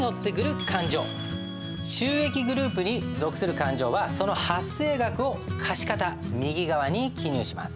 収益グループに属する勘定はその発生額を貸方右側に記入します。